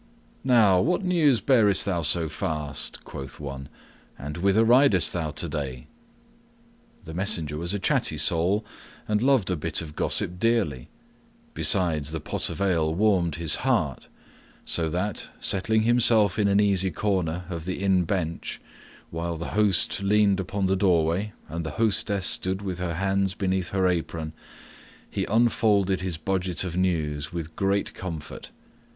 "Now what news bearest thou so fast?" quoth one, "and whither ridest thou today?" The messenger was a chatty soul and loved a bit of gossip dearly; besides, the pot of ale warmed his heart; so that, settling himself in an easy corner of the inn bench, while the host leaned upon the doorway and the hostess stood with her hands beneath her apron, he unfolded his budget of news with great comfort.